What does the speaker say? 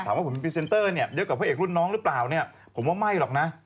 ว่าผมเป็นพรีเซนเตอร์เนี่ยเยอะกว่าพระเอกรุ่นน้องหรือเปล่าเนี่ยผมว่าไม่หรอกนะ